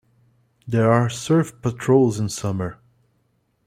There are surf patrols in summer.